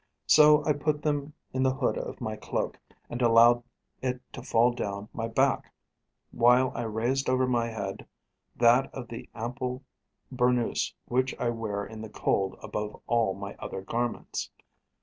So I put them in the hood of my cloak, and allowed it to fall down my back, while I raised over my head that of the ample burnoose which I wear in the cold above all my other garments.